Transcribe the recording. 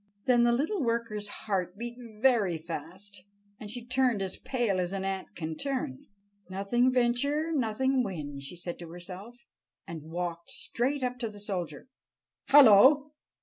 Then the little worker's heart beat very fast, and she turned as pale as an ant can turn. "'Nothing venture, nothing win,'" she said to herself, and walked straight up to the soldier. "Hallo!